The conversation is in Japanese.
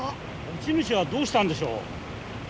持ち主はどうしたんでしょう？